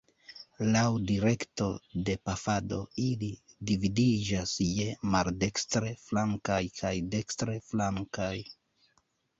Laŭ direkto de pafado ili dividiĝas je maldekstre-flankaj kaj dekstre-flankaj.